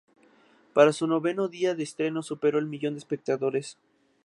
Para su noveno día de estreno superó el millón de espectadores.